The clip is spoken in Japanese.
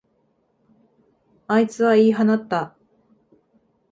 あいつは言い放った。